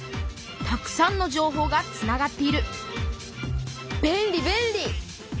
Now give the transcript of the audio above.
たくさんの情報がつながっている便利便利！